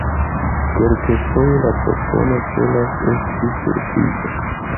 Kelkfoje la propono celas esti surprizo.